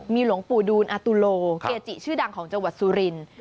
มีหลวงปู่ดูนอตุโลเกจิชื่อดังของจังหวัดสุรินทร์